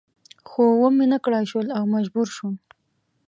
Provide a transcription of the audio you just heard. خو و مې نه کړای شول او مجبور شوم.